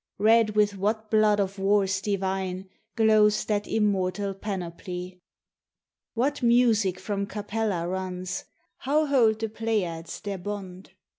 Red with what blood of wars divine Glows that immortal panoply? What music from Capella runs? How hold the Pleiades their bond?